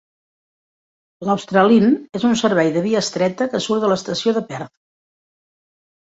L'"Australind" és un servei de via estreta que surt de l'estació de Perth.